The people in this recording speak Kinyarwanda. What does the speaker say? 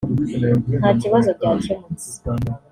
ntakibazo byakemutse